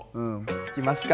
いきますか？